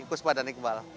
khuspa dan iqbal